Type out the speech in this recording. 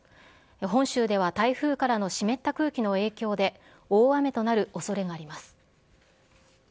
本州では台風からの湿った空気の影響で、大雨となるおそれがあります。